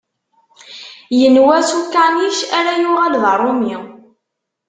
Yenwa s ukanic ara yuɣal d aṛumi.